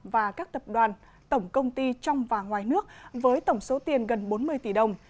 và các tập đoàn tổng công ty trong và ngoài nước với tổng số tiền gần bốn mươi tỷ đồng